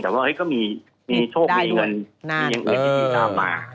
แต่ว่าเฮ้ยก็มีมีโชคมีเงินนานมีอย่างอื่นจริงจริงตามมานะครับ